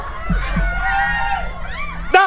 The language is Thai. ร้องได้